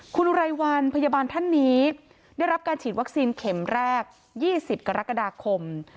คุณอุไรวันพยาบาลท่านนี้ได้รับการฉีดวัคซีนเข็มแรก๒๐กรกฎาคม